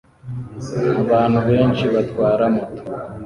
abantu benshi batwara moto